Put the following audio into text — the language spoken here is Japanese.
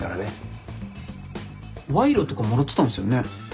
賄賂とかもらってたんすよね？